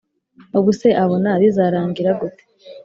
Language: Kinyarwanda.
ubuse abona bizarangira gute